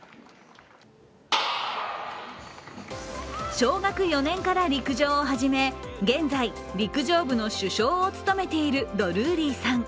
小学４年から陸上を始め現在、陸上部の主将を務めているドルーリーさん。